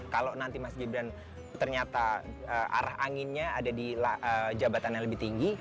kalau nanti mas gibran ternyata arah anginnya ada di jabatannya lebih tinggi